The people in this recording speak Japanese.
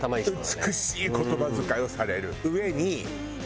美しい言葉遣いをされる上に。